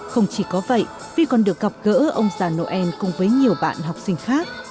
không chỉ có vậy vi còn được gặp gỡ ông già noel cùng với nhiều bạn học sinh khác